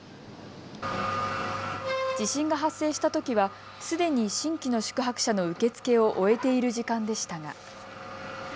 地震が発生したときはすでに新規の宿泊者の受け付けを終えている時間でしたが。